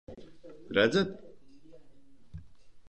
Redzat?